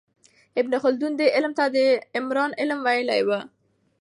ابن خلدون دې علم ته د عمران علم ویلی و.